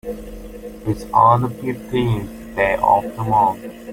It's on the fifteenth day of the month.